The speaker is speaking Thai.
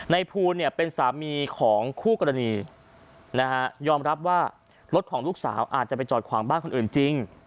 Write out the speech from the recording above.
ภูลเนี่ยเป็นสามีของคู่กรณีนะฮะยอมรับว่ารถของลูกสาวอาจจะไปจอดขวางบ้านคนอื่นจริง